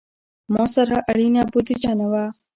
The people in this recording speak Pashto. ما سره اړینه بودیجه نه وه.